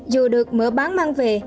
dù được mở bán mang về